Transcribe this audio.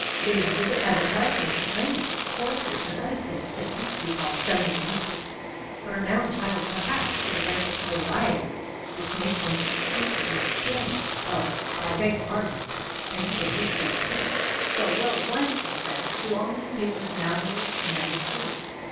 They exhibit advertisements of " undies,"' corsets, and other things that used to be called feminine mysteries, but are now entitled perhaps to the rank of notorieties which make one instinctively stammer, " Oh, I beg 276 WOMEN'S JOURNALS your pardon," and beat a hasty retreat. So, it will at once be said, do all newspapers nowadays, and that is true.